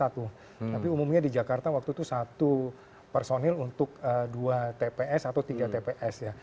tapi umumnya di jakarta waktu itu satu personil untuk dua tps atau tiga tps ya